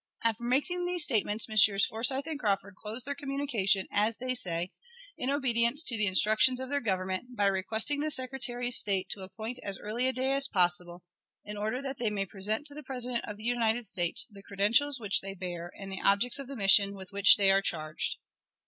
After making these statements, Messrs. Forsyth and Crawford close their communication, as they say, in obedience to the instructions of their Government, by requesting the Secretary of State to appoint as early a day as possible, in order that they may present to the President of the United States the credentials which they bear and the objects of the mission with which they are charged.